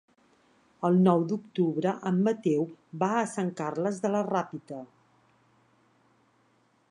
El nou d'octubre en Mateu va a Sant Carles de la Ràpita.